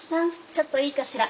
ちょっといいかしら？